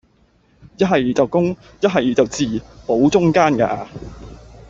一係就公,一係就字,無中間架